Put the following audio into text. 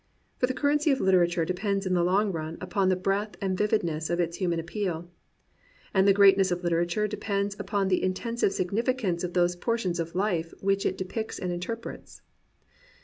For the currency of literature depends in the long run upon the breadth and vividness of its human appeal. And the greatness of literature depends upon the intensive significance of those portions of 10 THE BOOK OF BOOKS life which it depicts and interprets.